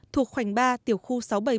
thuộc khoảnh ba tiểu khu sáu trăm bảy mươi chín